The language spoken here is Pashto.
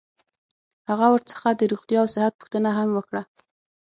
هغه ورڅخه د روغتیا او صحت پوښتنه هم وکړه.